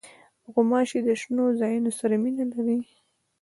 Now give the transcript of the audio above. غوماشې د شنو ځایونو سره مینه لري.